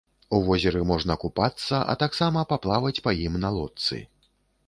У возеры можна купацца, а таксама паплаваць па ім на лодцы.